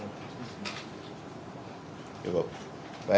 coach ada yang mau disampaikan